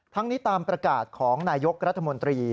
ทั้งนี้ตามประกาศของนายกรัฐมนตรี